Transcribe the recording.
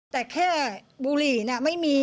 แต่แค่บุหรี่ไม่มี